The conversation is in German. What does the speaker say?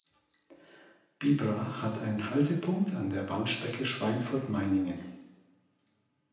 Bibra hat einen Haltepunkt an der Bahnstrecke Schweinfurt–Meiningen.